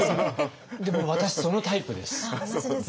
でも私そのタイプです。